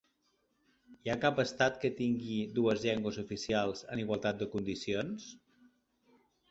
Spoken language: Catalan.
Hi ha cap estat que tingui dues llengües oficials en igualtat de condicions?